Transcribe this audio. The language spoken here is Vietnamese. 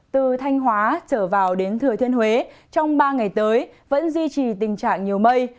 từ thanh hóa trở vào đến thừa thiên huế trong ba ngày tới vẫn duy trì tình trạng nhiều mây